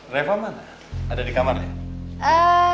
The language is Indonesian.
reva mana ada di kamarnya